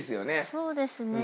そうですね。